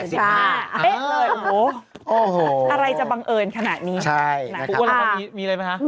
เจ้าแม่หินเทิร์นโอ้โหอะไรจะบังเอิญขนาดนี้นะครับมีอะไรไหมครับ